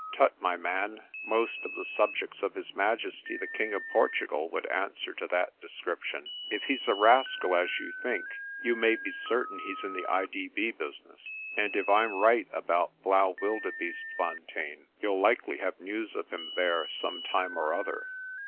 "Tut, my man, most of the subjects of his Majesty the King of Portugal would answer to that description. If he's a rascal, as you think, you may be certain he's in the I.D.B. business, and if I'm right about Blaauwildebeestefontein you'll likely have news of him there some time or other.